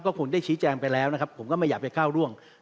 คุณได้ชี้แจงไปแล้วนะครับผมก็ไม่อยากไปก้าวร่วง